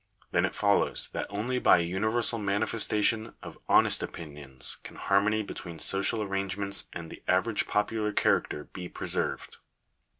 240, 427) ; then it follows that only by a universal manifestation of honest opinions can harmony between social arrangements and the average popular character be preserved.